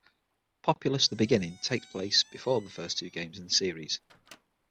"Populous: The Beginning" takes place before the first two games in the series.